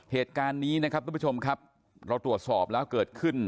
เหตุการณ์นี้นะครับทุกผู้ชมครับเราตรวจสอบแล้วเกิดขึ้น